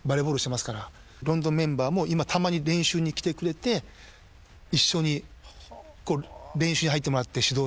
ロンドンメンバーも今たまに練習に来てくれて一緒に練習に入ってもらって指導してもらって。